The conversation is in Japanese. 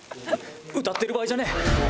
「歌ってる場合じゃねえ！」